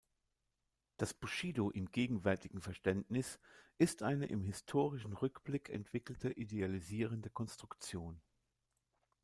Das Bushidō im gegenwärtigen Verständnis ist eine im historischen Rückblick entwickelte idealisierende Konstruktion.